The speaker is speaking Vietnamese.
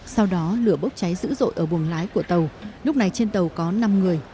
sau đó lửa bốc cháy dữ dội ở buồng lái của tàu lúc này trên tàu có năm người